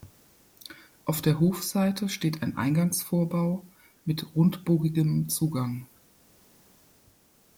Auf der Hofseite steht ein Eingangsvorbau mit rundbogigem Zugang.